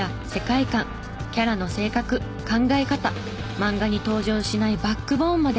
漫画に登場しないバックボーンまで。